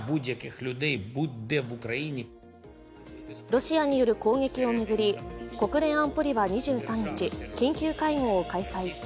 ロシアによる攻撃を巡り、国連安保理は２３日、緊急会合を開催。